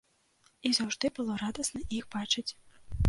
І заўжды было радасна іх бачыць.